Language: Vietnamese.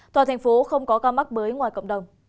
toàn thành phố không có ca mắc mới ngoài cộng đồng